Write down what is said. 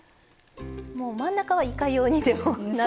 もう真ん中はいかようにでもなるんですか？